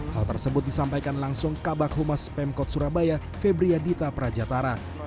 hal tersebut disampaikan langsung kabak humas pemkot surabaya febria dita prajatara